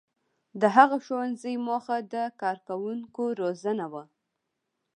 • د هغه ښوونځي موخه د کارکوونکو روزنه وه.